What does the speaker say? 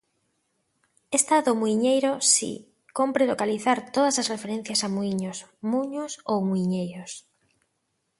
Esta do muiñeiro si, cómpre localizar todas as referencias a muíños, muños ou muiñeiros.